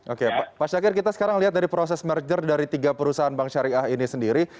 oke pak syakir kita sekarang lihat dari proses merger dari tiga perusahaan bank syariah ini sendiri